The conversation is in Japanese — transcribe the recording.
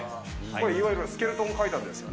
これ、いわゆるスケルトン階